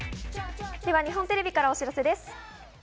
日本テレビからお知らせです。